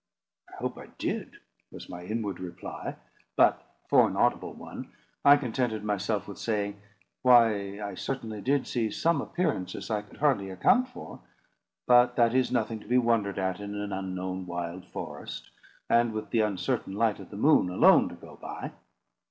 "I hope I did," was my inward reply; but, for an audible one, I contented myself with saying, "Why, I certainly did see some appearances I could hardly account for; but that is nothing to be wondered at in an unknown wild forest, and with the uncertain light of the moon alone to go by."